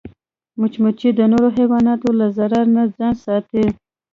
مچمچۍ د نورو حیواناتو له ضرر نه ځان ساتي